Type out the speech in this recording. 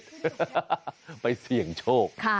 ให้เสี่ยงโชค